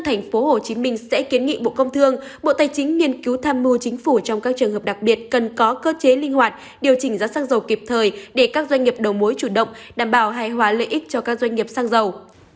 thành phố hồ chí minh sẽ kiến nghị bộ công thương bộ tài chính nghiên cứu tham mưu chính phủ trong các trường hợp đặc biệt cần có cơ chế linh hoạt điều chỉnh giá xăng dầu kịp thời để các doanh nghiệp đầu mối chủ động đảm bảo hài hóa lợi ích cho các doanh nghiệp xăng dầu